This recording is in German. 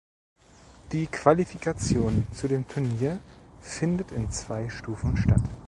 Die Qualifikation zu dem Turnier findet in zwei Stufen statt.